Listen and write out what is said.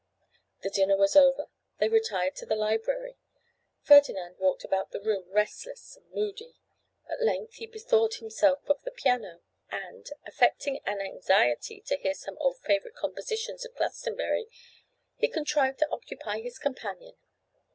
The dinner was over; they retired to the library. Ferdinand walked about the room restless and moody; at length he bethought himself of the piano, and, affecting an anxiety to hear some old favourite compositions of Glastonbury, he contrived to occupy his companion.